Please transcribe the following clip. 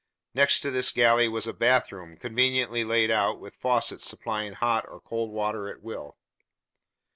Next to this galley was a bathroom, conveniently laid out, with faucets supplying hot or cold water at will.